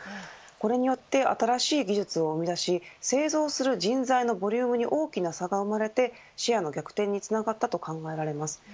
これによって新しい技術を生み出し製造する人材のボリュームに大きな差が生まれてシェアの逆転につながったと考えられます。